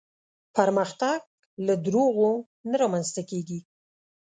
پرمختګ له دروغو نه رامنځته کېږي.